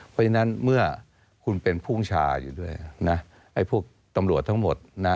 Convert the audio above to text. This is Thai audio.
เพราะฉะนั้นเมื่อคุณเป็นภูมิชาอยู่ด้วยนะไอ้พวกตำรวจทั้งหมดนะ